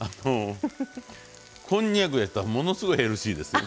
こんにゃくやったらものすごいヘルシーですよ。